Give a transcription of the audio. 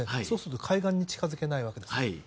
そうすると海岸に近づけないわけです。